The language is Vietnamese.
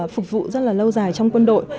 phục vụ rất là lâu dài trong quân đội